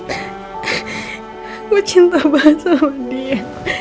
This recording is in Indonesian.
aku cinta banget sama dia